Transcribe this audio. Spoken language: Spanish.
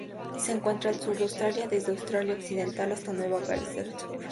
Se encuentra al sur de Australia: desde Australia Occidental hasta Nueva Gales del Sur.